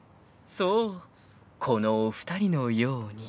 ［そうこのお二人のように］